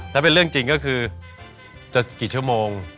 ถ้าเป็นเรื่องจริงก็คือจะกี่ชั่วโมง